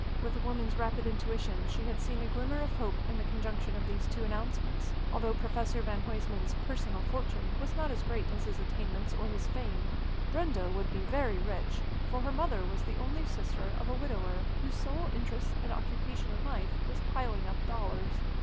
With a woman's rapid intuition, she had seen a glimmer of hope in the conjunction of these two announcements. Although Professor van Huysman's personal fortune was not as great as his attainments or his fame, Brenda would be very rich, for her mother was the only sister of a widower whose sole interest and occupation in life was piling up dollars.